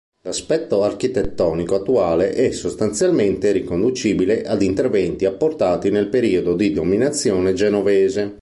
L'aspetto architettonico attuale è sostanzialmente riconducibile ad interventi apportati nel periodo di dominazione genovese.